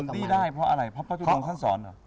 คุณทำเรียงดีได้เพราะอะไรเพราะพระธุดรงค์ทำสอนเหรอ